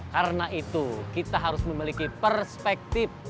karena itu kita harus memiliki perspektif